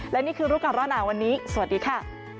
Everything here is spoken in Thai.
และนี่คือรูปการณ์หนาวันนี้สวัสดีค่ะ